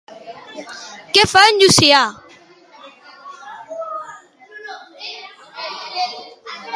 Què fa en Llucià?